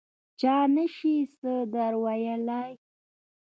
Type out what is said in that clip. چا نه شي څه در ویلای.